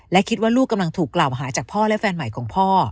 และคิดว่าลูกกำลังถูกกล่าวหาจากพ่อและแฟนใหม่ของพ่อ